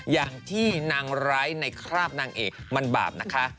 อย่างที่นางร้ายในคราบนางเอกมันบาปนะคะ